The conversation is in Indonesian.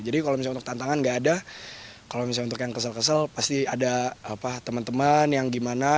jadi kalau misalnya untuk tantangan gak ada kalau misalnya untuk yang kesel kesel pasti ada teman teman yang gimana